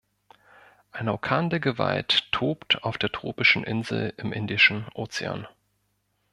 Ein Orkan der Gewalt tobt auf der tropischen Insel im Indischen Ozean.